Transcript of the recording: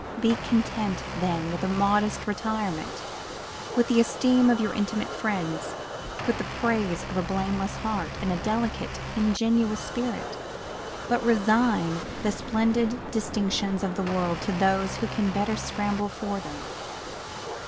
Be content then with a modest retirement, with the esteem of your intimate friends, with the praises of a blameless heart, and a delicate, ingenuous spirit; but resign the splendid distinctions of the world to those who can better scramble for them.